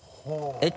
えっ？